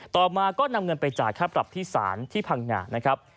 ต่อมาก็นำเงินไปจ่ายค่าปรับที่ศาลที่พังงานะครับ